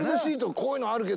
こういうのあるけど」